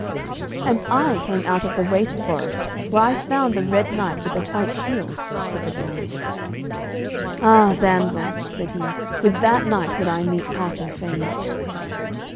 "And I came out of the waste forest where I found the red knight with the white shield," said the damsel. "Ah, damsel," said he, "with that knight would I meet passing fain."